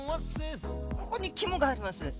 ここに肝があります。